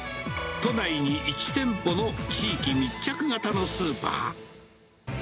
都内に１店舗の地域密着型のスーパー。